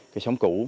cái sống cũ